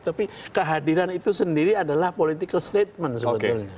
tapi kehadiran itu sendiri adalah political statement sebetulnya